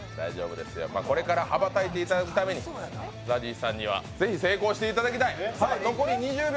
これから羽ばたいていただくためにＺＡＺＹさんにはぜひ成功していただきたい。